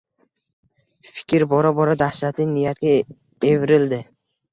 Fikr bora-bora dahshatli niyatga evrildi